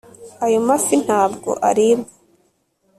ayo mafi ntabwo aribwa